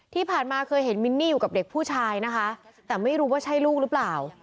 ที่ผ่านมาเคยเห็นมินนี่อยู่กับเด็กผู้ชายนะคะแต่ไม่รู้ว่าใช่ลูกหรือเปล่า